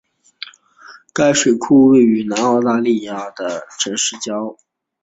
该水库位于南澳大利亚州阿德莱德市郊。